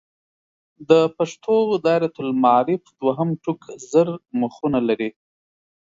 د پښتو دایرة المعارف دوهم ټوک زر مخونه لري.